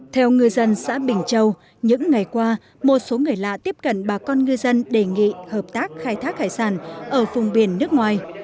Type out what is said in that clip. theo ngư dân xã bình châu những ngày qua một số người lạ tiếp cận bà con ngư dân đề nghị hợp tác khai thác hải sản ở vùng biển nước ngoài